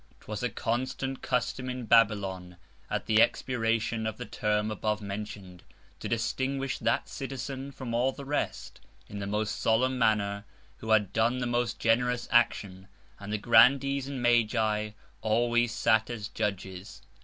'Twas a constant Custom in Babylon at the Expiration of the Term above mention'd, to distinguish that Citizen from all the Rest, in the most solemn Manner, who had done the most generous Action; and the Grandees and Magi always sat as Judges.